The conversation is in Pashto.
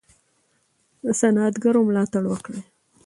د صنعتګرو ملاتړ وکړئ.